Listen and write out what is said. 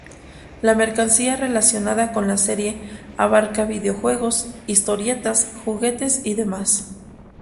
La mercancía relacionada con la serie abarca videojuegos, historietas, juguetes y demás.